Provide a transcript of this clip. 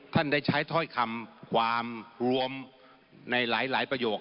ท่านได้ใช้ถ้อยคำความรวมในหลายประโยค